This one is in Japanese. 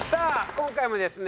今回もですね